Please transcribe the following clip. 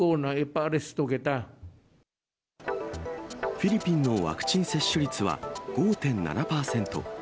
フィリピンのワクチン接種率は５．７％。